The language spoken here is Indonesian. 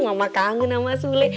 mama kangen sama sule